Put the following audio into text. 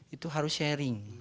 itu harus sharing